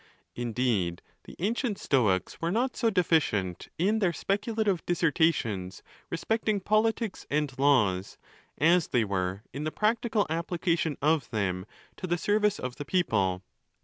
Indeed, the ancient Stoics were not so deficient in their speculative dis sertations respecting politics and laws, as they were in the practical application of them to the service of the people.